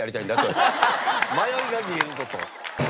迷いが見えるぞと。